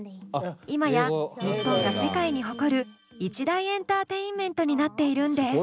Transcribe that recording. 今や日本が世界に誇る一大エンターテインメントになっているんです。